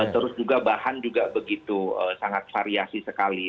terus juga bahan juga begitu sangat variasi sekali